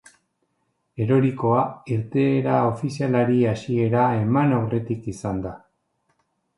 Erorikoa irteera ofizialari hasiera eman aurretik izan da.